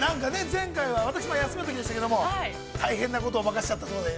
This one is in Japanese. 前回は、私の休みのときでしたけれども大変なことを、任しちゃったそうで。